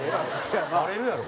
バレるやろ。